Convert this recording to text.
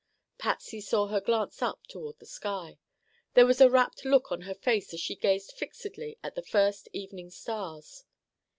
Patsy saw her glance up toward the sky. There was a rapt look on her face as she gazed fixedly at the first evening stars.